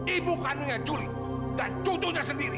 ibu kandungnya juli dan cucunya sendiri